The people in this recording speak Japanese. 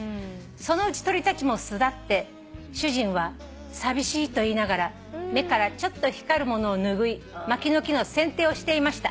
「そのうち鳥たちも巣立って主人は『寂しい』と言いながら目からちょっと光るものを拭いマキの木の剪定をしていました」